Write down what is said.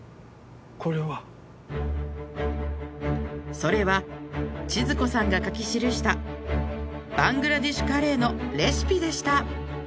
これは。それは千鶴子さんが書き記したバングラデシュカレーのレシピでした